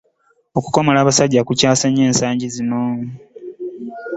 Okukomola abasajja kukyase nnyo ensangi zino.